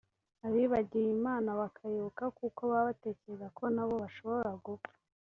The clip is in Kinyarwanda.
abibagiwe Imana bakayibuka kuko baba batekereza ko nabo bashobora gupfa